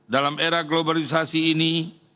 dalam era globalisasi ini